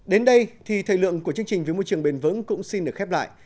đến đây thì thời lượng của chương trình vì môi trường bền vững cũng xin được khép lại